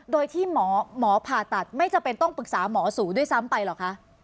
โดยที่หมอผ่าตัดไม่จำเป็นต้องปรึกษาหมอสูด้วยซ้ำไปเหรอคะ